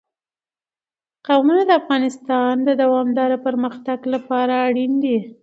قومونه د افغانستان د دوامداره پرمختګ لپاره اړین دي.